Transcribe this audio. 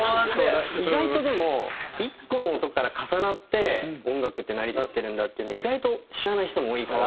意外とでも１個の音から重なって音楽って成り立ってるんだっていうのを意外と知らない人も多いから。